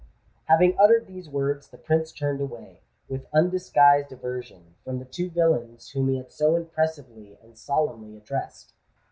Having uttered these words, the Prince turned away, with undisguised aversion, from the two villains whom he had so impressively and solemnly addressed.